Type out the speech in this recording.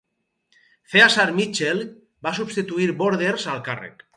Ceasar Mitchell va substituir Borders al càrrec.